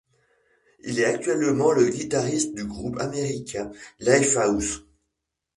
Il est actuellement le guitariste du groupe américain Lifehouse.